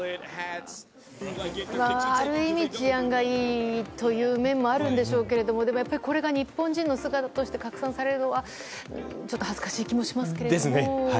ある意味、治安がいいという面もあるんでしょうけれども、でもやっぱり、これが日本人の姿として拡散されるのは、ちょっと恥ずかしい気もしますけれども。ですね。